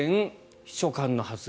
秘書官の発言